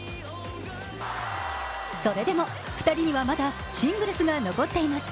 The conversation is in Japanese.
それでも２人にはまだシングルスが残っています。